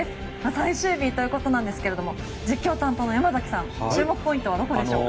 最終日ということですが実況担当の山崎さん注目ポイントはどこでしょうか。